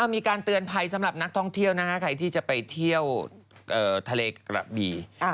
มีการเตือนภัยสำหรับนักท่องเที่ยวนะคะใครที่จะไปเที่ยวทะเลกระบี่